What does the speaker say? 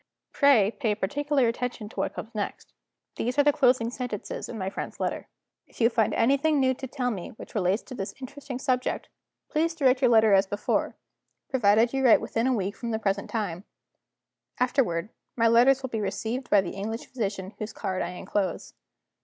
Pray pay particular attention to what comes next. These are the closing sentences in my friend's letter: "'If you find anything new to tell me which relates to this interesting subject, direct your letter as before provided you write within a week from the present time. Afterward, my letters will be received by the English physician whose card I inclose.